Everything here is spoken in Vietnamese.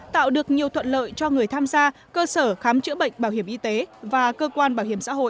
tạo được nhiều thuận lợi cho người tham gia cơ sở khám chữa bệnh bảo hiểm y tế và cơ quan bảo hiểm xã hội